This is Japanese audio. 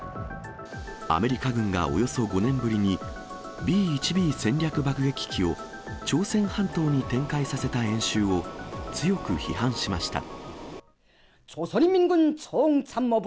アメリカ軍がおよそ５年ぶりに、Ｂ１Ｂ戦略爆撃機を朝鮮半島に展開させた演習を強く批判しました。